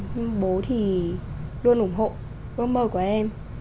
bố thì luôn ủng hộ ước mơ của em